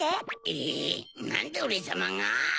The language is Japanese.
えっなんでオレさまが？